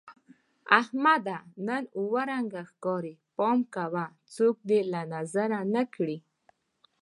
احمده! نن اووه رنگه ښکارې. پام کوه څوک دې له نظره نه کړي.